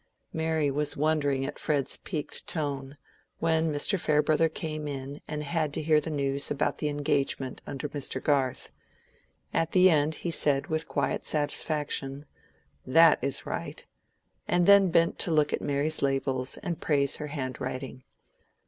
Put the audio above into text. Mary was wondering at Fred's piqued tone, when Mr. Farebrother came in and had to hear the news about the engagement under Mr. Garth. At the end he said with quiet satisfaction, "That is right;" and then bent to look at Mary's labels and praise her handwriting.